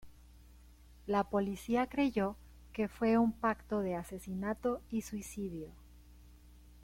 La policía creyó que fue un pacto de asesinato y suicidio.